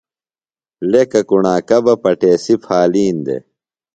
لیکہ کُݨاکہ بہ پٹیسی پھالِین دےۡ۔